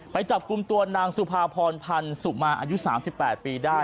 ไปจับกลุ่มตัวนางสุภาพรพันธ์สุมาอายุ๓๘ปีได้